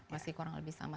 masih kurang lebih sama